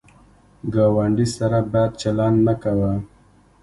ګاونډي سره بد چلند مه کوه